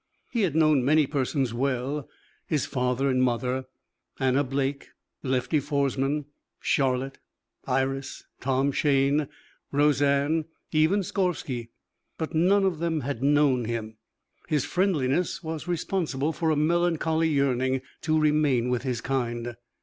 He had known many persons well: his father and mother, Anna Blake, Lefty Foresman, Charlotte, Iris, Tom Shayne, Roseanne, even Skorvsky but none of them had known him. His friendlessness was responsible for a melancholy yearning to remain with his kind.